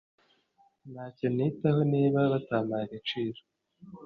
Ntacyo nitaho niba batampaye agaciro